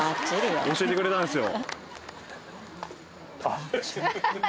教えてくれたんですよ。